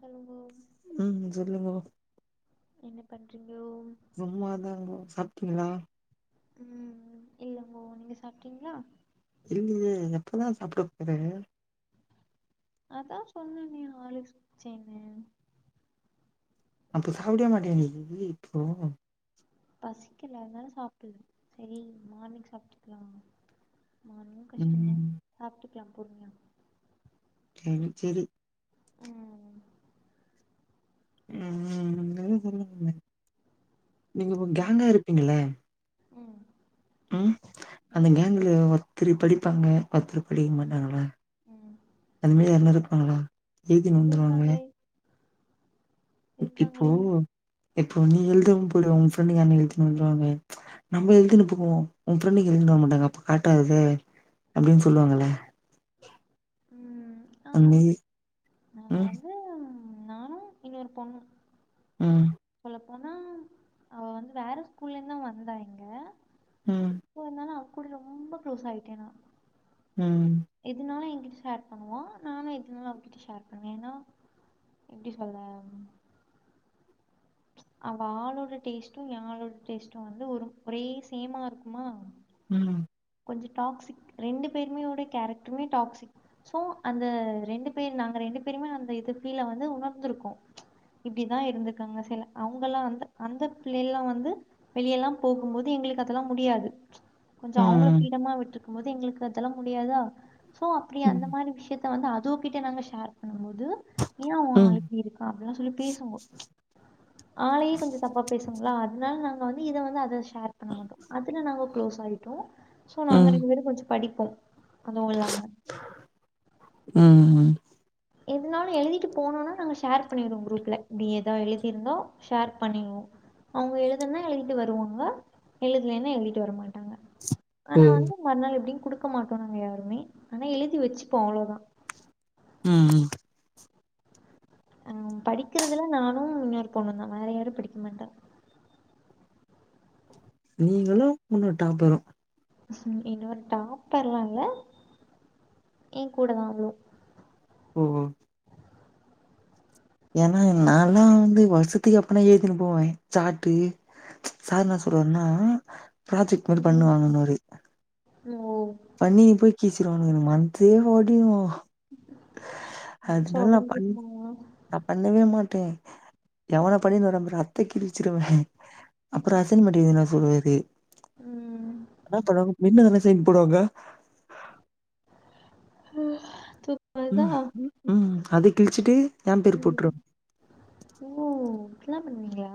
சொல்லுங்கோ ம் சொல்லுங்கோ என்ன பண்றீங்கோ சும்மாதா [unintelligible] சாப்ட்டீங்க்ளா உம் இல்லங்கோ நீங்க சாப்ட்டீங்க்ளா தெரிலயே எப்பதா சாப்ட போற அதா சொன்னன்னே ஹார்லிக்ஸ் குடிச்சேனு அப்ப சாப்டியா மாட்டயா நீயி இப்போ பசிக்கில அத்னால சாப்பில்ல செரி மார்னிங் சாப்ட்டுக்லா மார்னிங் கஷ்டந்தா ம் சாப்ட்டுக்லா பொறுமியா [unintelligible] சேரி ம் உ உ வந்து [unintelligible] நீங்க ஒரு கேங்கா இருப்பீங்கள்ள உம் ம் அந்த கேங்குல ஒர்த்திரு படிப்பாங்க ஒர்த்திரு புல்லியிங் பண்ணுவாங்கள்ல ம் அந்த மாரி யார்ன்னா இருப்பாங்களா எழுதினு வந்துருவாங்களே இருக்காங்களே இப்போ இருக்காங்களே இப்போ நீ எழுதாம போய்டுவ ஓ ஃப்ரெண்டு யார்னா எழுதின் வந்துருவாங்களே நம்ம எழுதின்னு போவோ ஓ ஃப்ரண்டு எழுதின் வர மாட்டாங்க அப்ப காட்டாத அப்டின் சொல்லுவாங்கள்ள ம் அந் ஆமா மேரி நாங்க உம் வந்து நானு இன்னொரு பொண் உம் அப்போனா அவ வந்து வேற ஸ்கூல்லேர்ந்துதா வந்தா இங்க ம் [unintelligible] அவ் கூட ரொம்ப க்ளோஸ் ஆயிட்டே நா ம் எதுனாலு எங்கிட்ட ஷேர் பண்ணுவா நானு எதுனாலு அவங்கிட்ட ஷேர் பண்ணுவே ஏன்னா எப்டி சொல்ல அவ ஆளோட டேஸ்ட்டு ஏ ஆளோட டேஸ்ட்டு வந்து ஒரு ஒரே சேமா இருக்குமா ம் கொஞ்சோ டாக்சிக் ரெண்டு பேருமே ஓட கேரக்டருமே டாக்சிக் சோ அந்த ரெண்டு பேர் நாங்க ரெண்டு பேருமே அந்த இது ஃபீல்ல வந்து உணர்ந்துருக்கோ இப்டிதா இருந்துருக்காங்க சில அவுங்கல்லா வந்து அந்த பிள்ளைல்லாவந்து வெளியெல்லாம் போகும்போது எங்களுக்கு அதெல்லா முடியாது கொஞ்சோ ம் அவுங்குளுக் [unintelligible] விட்டுருக்கும் போது எங்களுக்கு அதெல்லா முடியாதா சோ அப்டி அந்த ம் மாரி விஷ்யத் த வந்து அதூ கிட்ட நாங்க ஷேர் பண்ணும் போது ஏ ஓ ம் ஆளு இப்டி இருக்காங்கன் சொல்லி பேசுவோ ஆளயே கொஞ்சோ தப்பா பேசுங்க்ளா அத்னால நாங்க வந்து இத வந்து அத ஷேர் பண்ண மாட்டோ அதுல நாங்க குளோஸ் ஆயிட்டோ சோ நாங்க ம் ரெண்டு பேரு கொஞ்சோ படிப்போ அதுவு இல்லாம உம் உம் எத்னாலு எழுதிட்டு போனோன்ன நாங்க ஷார் பண்ணீருவோ குரூப்ல இப்டி ஏதா எழுதியிருந்தா ஷேர் பண்ணீருவோ அவுங்க எழுதுனா எழுத வருவாங்க எழுதலன்னா எழுதிட்டு வரமாட்டாங்க ஓ ஆனா வந்து மறுநாள் எப்படின்னு குடுக்க மாட்டோ நாங்க யாருமே ஆனா எழுதி வச்சுப்போ அவ்ளோதா ம் ம் அ படிக்கறதுலா நானு இன்னொரு பொண்ணு தா வேற யாரு படிக்க மாட்டாங்க நீங்களு இன்னோரு டாப்பரு ம் இன்னொரு டாப்பரலா இல்ல ஏ கூட தா அவ்ளு ஓ ஓ ஏனா நால்லா வந்து வருஷத்துக்கு அப்பனா எழுதினு போவே சாட்டு சார் னா சொல்வார்ன்னா ப்ராஜெக்ட் மாரி பண்ணுவாங்கன்னுவாரு ஓ பண்ணி நீ போய் கீச்சிருவானுக மந்தே ஓடிரு மூச்சு அதுனால நா பண் ஒடஞ்சிருமா நா பண்ணவே மாட்டே எவனோ பண்ணின்னு வராம்பாறு அத்தை கிழிச்சிருவே அப்புற அசைமன்ட்டு வேற சொல்லுவாரு ம் [unintelligible] சைன் போடுவாங்க அ து ம் ம் அத கிழிச்சிட்டு ஏ பேர் ம் போட்ரு ஓ அப்டிலா பண்ணுவீங்களா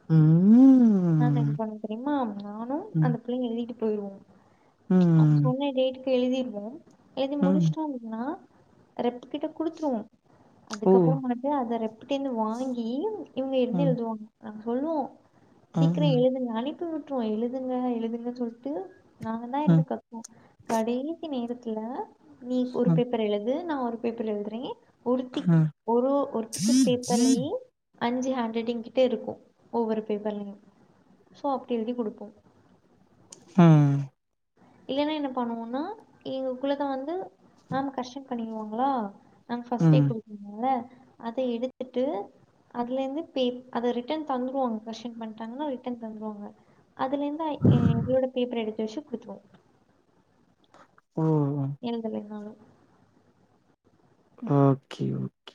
ம் ம் நாங்க என்ன பண்ணுவோ தெரியுமா நானு ம் அந்த பிள்ளைையு எழுதிட்டு போயிருவோ அவுங் ம் சொன்ன டேட்டுக்கு எழுதிருவோ எழுதி ம் முடிச்சுட்டோ அப்படின்னா ரெப்புக்கிட்ட குடுத்துருவோ ஓ அதுக்கப்புறம்மா தா அத ரெப்பிட்டே இருந்து வாங்கி இவங்க இருந்து ம் எழுதுவாங்க நாங்க சொல்லுவோ ம் சீக்கிர ம் எழுதுங்க அனுப்பி விட்ருவோ எழுதுங்க எழுதுங்க சொல்ட்டு நாங்க தா ம் இருந்து கத்துவோ கடைசி நேரத்துல நீ ஒரு பேப்பர் எழுது நா ஒரு பேப்பர் எழுதுறே ஒருத்தி ம் ஒரு ஒருத்திக்கு பேப்பர்லயே அஞ்சு ஹேண்ட் ரைட்டிங் கிட்டே இருக்கு ஒவ்வொரு பேப்பர்லயு சோ அப்டி எழுதி குடுப்போ ம் இல்லன்னா என்ன பண்ணுவோனா இவு குள்ளக்க வந்து மேம் கரக்ஷன் பண்ணிருவாங்ளா நாங் ஃபஸ்ட்டே ம் குடுக்குங்கள அத எடுத்துட்டு அதுலயிந்து பே அத ரிட்டன் தந்துருவாங்க கர்ஸ்சன் பண்ட்டாங்கன்னா ரிட்டன் தந்துருவாங்க அதுல இந்து ஏ எங்களோட பேப்பர் எடுத்து வச்சி குடுத்துருவோ ம் ம் எழுத னாலு ஓக்கே ஓக்கே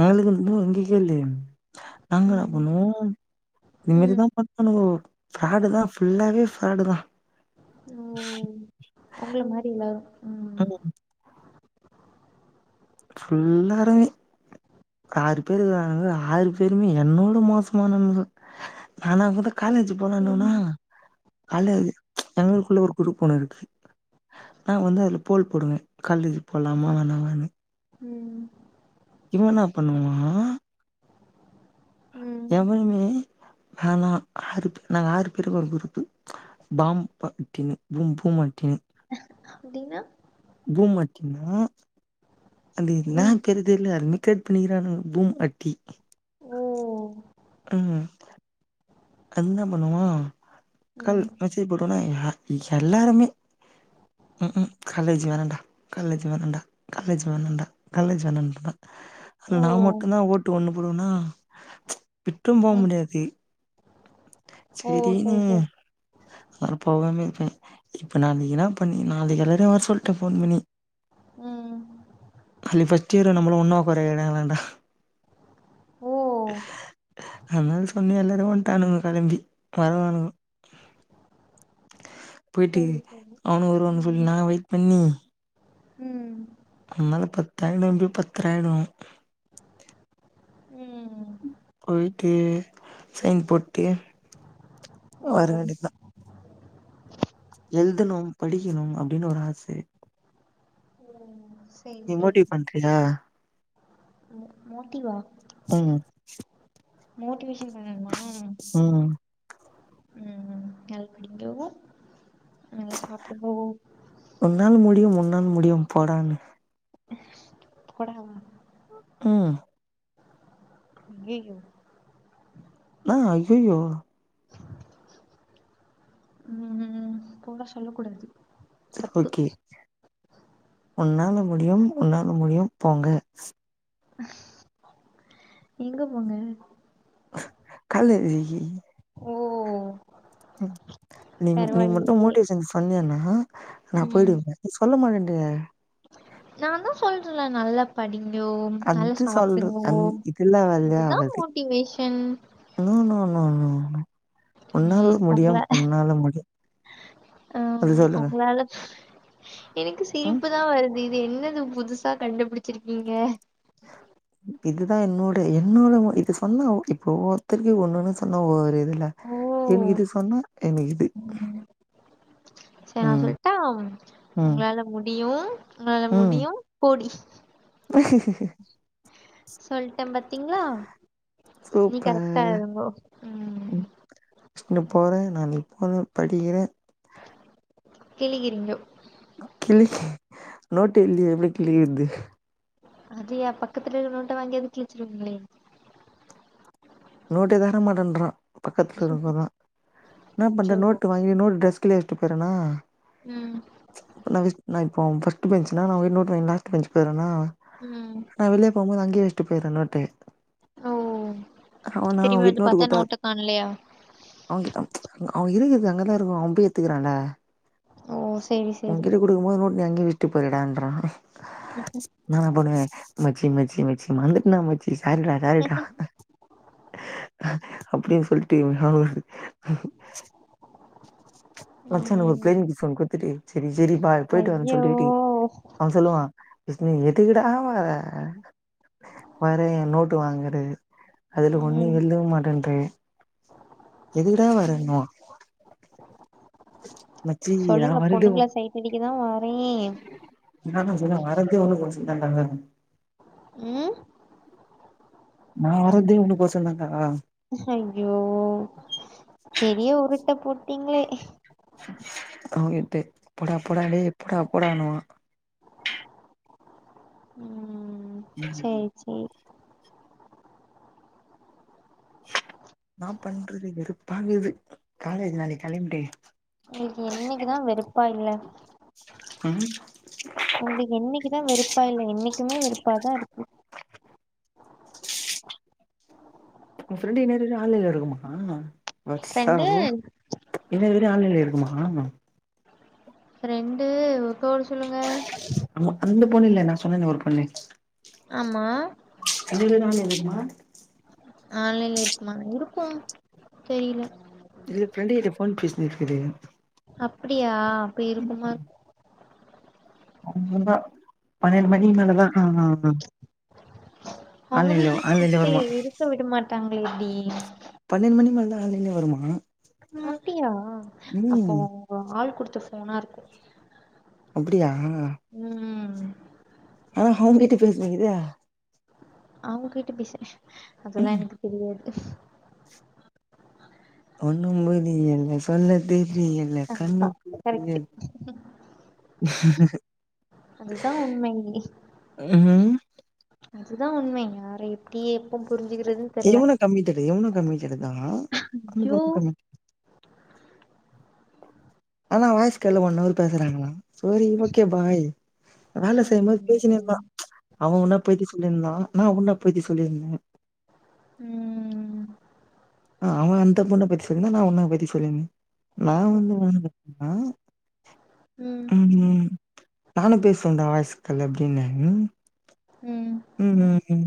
எங்களுக்கு இன்னு [unintelligible] நாங்க ம். பண்ணுவோ ம். நிம்மதிதா பாத் பண்ணுவோ ஃபிராடு தா ஃபுல்லாவே ஃபிராடு தா ஓ ஒங்கள மாரியில்லா ம் ம் ஃபுல்லாரயுமே ஆறு பேருயிருக்குறங்க ஆறு பேருமே என்னோட மோசமானவனுங்க ஆனா கூட காலேஜ் போனா என்ன ம். பண்ணுவோ கால ப் ச் எங்களுக்குள்ளே ஒரு குரூப் ஒண்ணு இருக்கு நா வந்து அதல போல் போடுவே கால்லேஜு போலாம வேணா வாணு ம் இவன் என்னா பண்ணுவா ம். எவனுமே ஹனா ஆறு பேரு நாங்க ஆறு பேருமே ஒரு குரூப்பு பாம் பாட்டின்னு பூம் பூம்மட்டினு அப்டினா பூமட்டினா அந்த என்னா ம். தெரிதிலு அர்மிக்க பண்ணிக்கிறானு பூம் அட்டி ஓ! அ அந்த பண்ணுவா கல் ம். மெசேஜ் போடோனா எல்லாருமே ம் ம் காலேஜ் வேணான்டா காலேஜ் வேணாண்டா காலேஜ் வேணாண்டா காலேஜ் வேணாண்டா ஓ! நா மட்டுதா ஓட்டு ஒண்ணு போடுவன்னா விட்டும் போ ம். முடியாது ஓ! செரியின் சரி, சரி. நா போகாமே இருப்பே இப்போ நா நீதா பண்ணி நாளாக்கி எல்லாரையு வர சொல்ட்டே ஃபோன் பண்ணி ம் அல்லி ஃபஸ்ட் இயரு நம்மளு ஒன்னா ஒக்காற வைக்கிறாங்களான்டா ஓ அதுனால சொன்னே எல்லாருமே வண்டானுங்க கெளம்பி பரவால்லங் போயிட்டு சரி, அவனு வருவானு சரி. சொல்லி நா வெயிட் பண்ணி ம் நம்மள்ள பத்தாயிடுனு பாத்தற ஆயிடு ம் போயிட்டு சைன் போட்டு ஓ வரே வேண்டிதா எழுதணு படிக்கணு அப்டின்னு ஒரு ஆசே ம் செய் நீ செய் மோட்டிவ் பண்றியா ம் மோட்டிவா ம் மோட்டிவேஷன் பண்ணணுமா ம் ம் நல்லா படிங்கோ நல்லா சாப்டுங்கோ உன்னால் முடியும் உன்னால் முடியும் போடான்னு போடா ம் ஐயயோ நா ஐயயோ ம்ம் போடா சொல்லக் கூடாது சர் தப்பு ஓகே ஒன்னால முடியும் ஒன்னால முடியும் போங்க எங்க போங்க காலேஜிகி ஓ ம் நீ நீ மட்டு பரவாயில்லையே மோட்டிவேஷன் சொன்னியனா நா ம் போயிடுவேங்க நீ சொல்ல மாட்டன்றியே நான்தா சொல்றன்ல நல்லப் படிங்கோ நல்லா அது சொல்ற சாப்டுங்கோ அந் இதெல்லாம் இதுதா வேலையாவாது motivation no no no no ஒன்னால ம் உங்கள முடியும் ஒன்னால முடியும் அது அம் சொல்லுங்க உங்ளால எனக்கு ம் சிரிப்பு தா வருது இது என்னது புதுசா கண்டுபிடிச்சிரிக்கீங்க இதுதா என்னோட என்னோட இது சொன்னா இப்ப ஒவ்வொர்த்தர்க்கு ஒண்ணுன்னு சொன்னா ஒரு இதுல ஓ எனக் இது சொன்னா எனக்கிது சர் நா சொல்ட்டா ம் ஒங்கள முடியூ ஒங்ளால முடியூ போடி இகுகுஇகு சொல்ட்ட பாத்தீங்களா நீ கரெக்டா சூப்பர் எழுதுங்கோ ம் ஸ்னு போறே நா இப்போந்தே படிகிறே கிழிகிறீங்கோ கிழிக்கு நோட்டு இல்லியே எப்டி கிழிகர்து அது எ பக்கத்துல இர நோட்ட வாங்கியாது கிழிச்சிர்வீங்ளே நோட்டே தரமாட்டன்றா பக்கத்ல இருக்கரவ இன்னா அச்சோ பண்றது நோட்டு வாங்கி நோட்டு டஸ் க்லே வச்சிட்டு போய்றணா ம் நா விச் நா இப்போ பர்ஸ்ட்டு பெஞ்சுனா நா அவங்கிட் நோட்டு வாங்கினு லாஸ்ட்டு பெஞ்ச்கு போறனா ம் போம்போது அங்கே வச்சட்டு போயிற நோட்டு ஓ அவன் அவன் திரும்பி வந்து பாத்தா நோட்டக்காணலயா அவங் கிட் அவ இருக்கர்து அங்கதா இருக்கா அவ போயி எத்துகிறான்ல ஓ சரி சரி குடுக்கும்போது நோட்டு நீ அங்கே வச்ட்டு போறீயாடான்றாங் ம் ம் நா என பண்ணுவே மச்சி மச்சி மச்சிங மறந்துட்ண்டா மச்சி சாரிடா சாரிடா அப்டினு சொல்லிட்டு ஞாபகோ மச்சா ஒரு ம் ப்ளைன் கிஸ் ஒன்னு குடுத்துட்டு செரி செரிப்பா போயிட்டு வந்து ஐயோ சொல்லீடி அவ சொல்லுவா விஸ்னு எதுக்கூடா வர வறே நோட்டு வாங்கறது அதுல ஒண்ண ம் எழுதவு மாட்டேன்ற எதுகடா வரன்னுவா மச்சி நா சொல்லுங்க வரது பொண்ணுங்கள சைட்டடிக்கதா வாரே நானா சொன்ன வரத்தே ஒனக் கொசரோ தான்டாங்றாங் ம் நா வர்றதே ஒனக் கோசந்தாண்டா ஹய்யோ பெரிய உருட்ட போட்டீங்ளே அவகிட்ட போடாப்போடா டேய் போடாப்போடா ன்னுவா ம் சரி என்னா சரி இன்னா பண்றது வெறுப்பாகுது காலேஜு நாளைக் கெளம்மிடு ஒங்களுக்கு என்னக்கிதா வெறுப்பா இல்ல ம் ஒங்களக்கு என்னக்கி தா வெறுப்பா இல்ல என்னக்கிமே வெறுப்பாதா இருக்கு ஒ ஃப்ரெண்டு் இனனேரத்ல கூட ஆன்லல இருக்குமா வர்சா ஃப்ரெண்டு ஓ இன்நேர வர ஆன்லைன்ல இருக்குமா ஃப்ரெண்டு ஒக்க ஒர்ட சொல்லுங்க ஆமா அந்த பொண்ணு இல்ல நா சொன்னனே ஒரு பொண்ணு ஆமா அதுல நாலு இருக்குமா ஆன்லைன்ல இருக்குமா இருக்கூ தெரியலே இது ஃப்ரண்டு கிட்ட போன் பேசினு இருக்குது அப்டியா அப்ப இருக்குமாருக் அவ்ருதா பன்னெண்டு மணிக்கு மேலதா ஆ ஆ ஆ அவங்க வீட்ல ஆன்லைன்ல சித்தி வருமா இருக்க விட மாட்டாங்ளே இப்டி பன்னெண்டு மணிக் மேலதா ஆன்லைன்லே வருமா அப்டியா அப்போ ம் ஒங்க ஆள் குடுத்த ஃபோனா இருக்கு அப்டியா உம் ஆனா ஹவ்ங்கிட்ட பேசினிக்கிது அவங்க கிட்ட பேசினு அதெல்லா ம் எனக்கு தெரியாது ஒண்ணும்புரியல சொல்ல தெரியல அதுதா கண்ணு கரெக்ட் முழியில் அதுதா உண்மை உம் அதுதா உண்மை யாரையு டியே எப்போ புரிஞ்சிக்கிறதுன் தெர்ல இவனு கம்மிட்டடு இவனு கம்மிட்டடு தா அந்த யோ பொண்ணு கம்மி ஆனா வாய்ஸ்கால்லு ஒன்னவரு பேசுறாங்களா சோரீ ஓகே பாய் வேல செய்யம்போது பேசினிருந்தா ம் அவ ஒன்ன பத்தி சொல்லிருந்தா நா உன்ன பத்தி சொல்லிருந்தே உம் அ அவ அந்த பொண்ண பத்தி சொல்லிருந்தா நா உன்னா பத்தி சொல்லிருந்தே நா வந்து [unintelligible] னா உம் நானு பேசுவன்டா வாய்ஸ் கால் அப்டினூ உம் ம் ம் ம்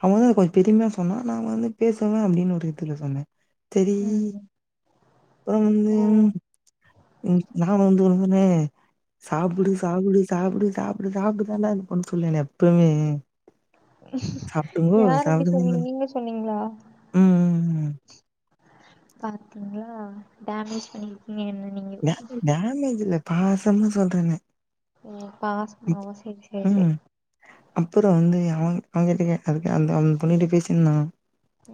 அவ வந்து அத கொஞ்சோ பெருமையா சொன்னா நா வந்து பேசுவே அப்டினு ஒரு இதுல சொன்னே தெரீ ம் அப்பறோ வந்து ஓ நா வந்து [unintelligible] சாப்புடு சாப்புடு சாப்புடு சாப்டு சாப்டுனுதான்டா அந்த பொண்ணு சொல்லூனு எப்பவுமே சாப்டுங்கோ, யார் அப்டி சாப்டுங்கன்னு. சொன்னீங் நீங்க சொன்னீங்ளா ம், ம், ம். பாத்துங்ளா டேமேஜ் பண்ணி நீ என்ன நீ டேமி டேமேஜில்ல பாசமா சொல்றனே ஓ பாசமாவா செரி சேர் சே அப்புறோ வந்து அவங் அவங்கிட்ட கேக்காதிங்க அந்த அதுக்கு அந் பொண்ணுகிட்ட பேசின்ருந்தானா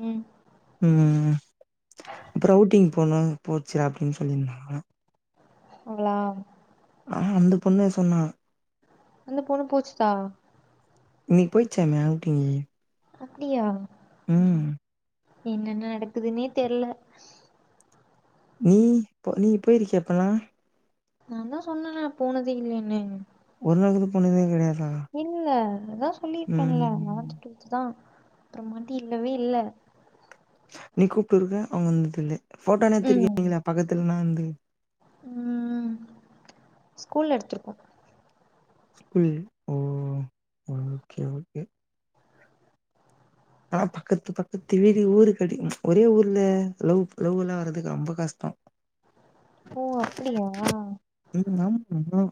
உம் ம் அப்பறோ அவுட்டிங் போனோ போச்சிரா அப்டின் சொல்லினிருந்தா அவளா ஆ அந்த பொண்ணே சொன்னா அந்த பொண்ணு போச்சுதா இன்னைக்கு பொயிர்ச்சாமே அவுட்டிங்கி அப்டியா என்னெ நடக்குதுன்னே தெரில நீ இப்பொ நீ போயிருக்கியா இப்பல்லா நாந்தா சொன்ன நா போனதே இல்லேனு ஒரு நாள் கூட போனதே கெடையாதா இல்ல அதா சொல்லிருக்கென்ல்ல [unintelligible] தா அப்றோமாட்டி இல்லவே இல்ல நீ கூப்ட்டு இருக்க அவங்க வந்தது இல்ல ஃபோட்டோனாத்திருக்கீங்ளா பக்கத்துல்னா வந்து ம் ஸ்கூல்ல எடுத்திருக்கோ குள் ஆனா பக்கத்து பக்கத்து வீடு ஊரு கடி ஒரே ஊர்ல லவ் லவ் எல்லா வர்றதுக்கு ரொம்ப கஷ்டோ ஓ அப்டியா ம். ஆமா. ம்.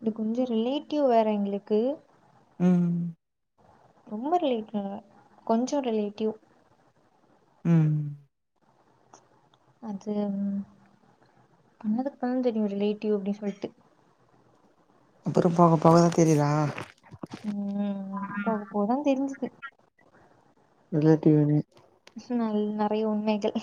இது கொஞ்ஜோ ரிலேட்டிவ் வேற எங்களுக்கு ம் ரொம்ப ரிலேட்டிவ் இல்ல கொஞ்ஜோ ரிலேட்டிவ் ம் அது பண்ணதுக்கு தா தெரியு ரிலேட்டிவ் அப்டின்னு சொல்ட்டு அப்பறோ போக போகதா தெரியிதா ம் போவ போவதா தெரிஞ்ஜிது ரிலேட்டிவ்னே நல்ல நெறய உண்மைகள்